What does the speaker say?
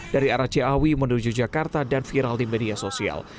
dari arah ciawi menuju jakarta dan viral di media sosial